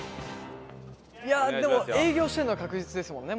いやでも営業してるのは確実ですもんね